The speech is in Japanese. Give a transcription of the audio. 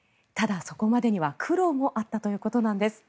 ただ、そこまでには苦労もあったということです。